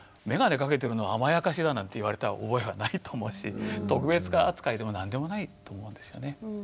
眼鏡かけてるのは「甘やかし」だなんて言われた覚えはないと思うし「特別扱い」でも何でもないと思うんですよね。